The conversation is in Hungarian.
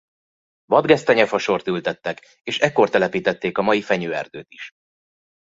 Vadgesztenye fasort ültettek és ekkor telepítették a mai fenyőerdőt is.